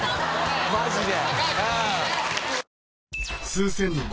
マジで。